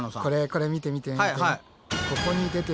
これ見て見て見て！